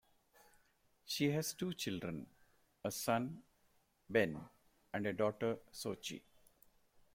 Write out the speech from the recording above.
She has two children: a son, Ben, and a daughter, Sochi.